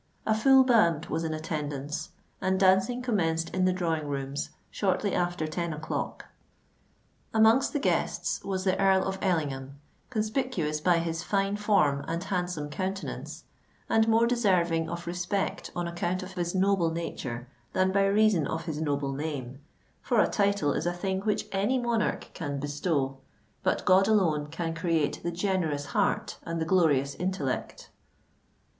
A full band was in attendance; and dancing commenced in the drawing rooms shortly after ten o'clock. Amongst the guests was the Earl of Ellingham,—conspicuous by his fine form and handsome countenance, and more deserving of respect on account of his noble nature than by reason of his noble name: for a title is a thing which any monarch can bestow—but God alone can create the generous heart and the glorious intellect!